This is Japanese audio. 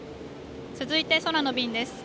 続いて空の便です